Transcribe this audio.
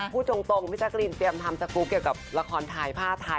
พูดตรงพี่แจ๊กรีนเตรียมทำสกรูปเกี่ยวกับละครไทยผ้าไทย